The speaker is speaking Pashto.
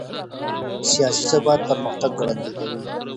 سياسي ثبات پرمختګ ګړندی کوي.